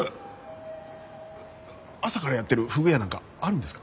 朝からやってるフグ屋なんかあるんですか？